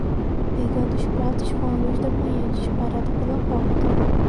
Pegando os pratos com a luz da manhã disparada pela porta